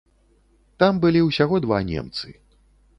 Там былі ўсяго два немцы.